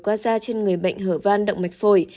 qua da trên người bệnh hở van động mạch phổi